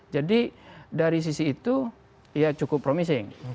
jadi dari sisi itu ya cukup promising